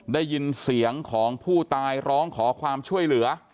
ได้ยินเสียงของผู้ตายร้องขอความช่วยเหลือ